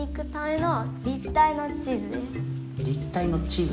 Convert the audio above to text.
立体の地図。